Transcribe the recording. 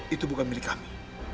itu bukan milik kami